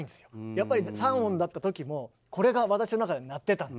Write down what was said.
やっぱり３音だったときもこれが私の中で鳴ってたんで。